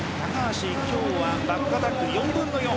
今日はバックアタック、４分の４。